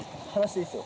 いいっすよ。